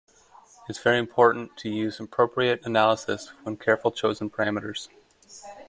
It is very important to use appropriate analyses with carefully chosen parameters.